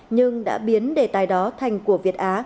nhưng đã biến đề tài đó thành của việt á